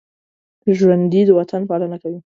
ژوندي د وطن پالنه کوي